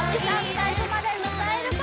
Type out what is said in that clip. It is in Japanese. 最後まで歌えるか？